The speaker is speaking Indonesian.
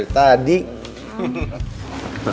akhirnya datang juga